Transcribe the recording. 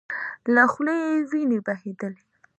له خولې يې وينې بهيدلې.